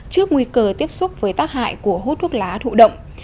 trước nguy cơ tiếp xúc với tác hại của hút thuốc lá thụ động